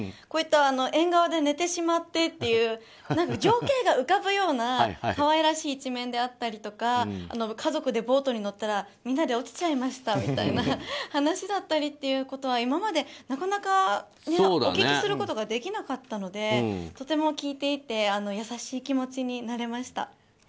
こういった縁側で寝てしまってという情景が浮かぶような可愛らしい一面であったりとか家族でボートに乗ったらみんなで落ちちゃいましたみたいな話だったりというのは、今までなかなかお聞きすることができなかったのでとても聞いていて優しい気持ちになれました。